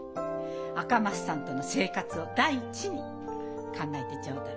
赤松さんとの生活を第一に考えてちょうだい。